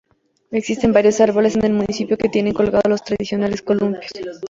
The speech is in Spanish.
Existen varios árboles en el municipio que tienen colgados los tradicionales columpios.